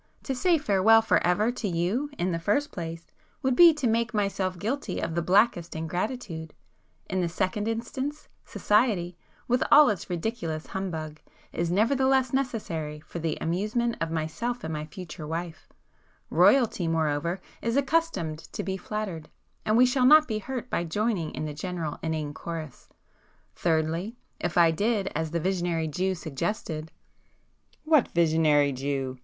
To say farewell for ever to you, in the first place, would be to make myself guilty of the blackest ingratitude,—in the second instance, society, with all its ridiculous humbug, is nevertheless necessary for the amusement of myself and my future wife,—Royalty moreover, is accustomed to be flattered, and we shall not be hurt by joining in the general inane chorus;—thirdly, if I did as the visionary Jew suggested——" "What visionary Jew?"